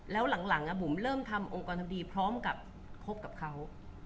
แล้วหลังบุ๋มเริ่มทำองค์กรทำดีพร้อมกับคบกับเขา